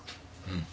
うん。